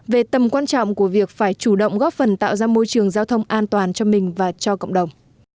về tầm quan trọng của việc phải chủ động góp phần tạo ra môi trường giao thông an toàn cho mình và cho cộng đồng